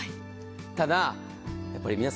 ただやっぱり皆様